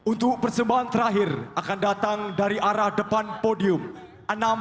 untuk persembahan terakhir akan datang dari arah depan podium